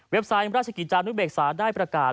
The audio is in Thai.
เว็บไซน์ราชกิจานุศเบกษาได้ประกาศ